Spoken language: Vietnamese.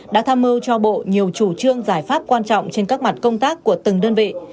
đã tham mưu cho bộ nhiều chủ trương giải pháp quan trọng trên các mặt công tác của từng đơn vị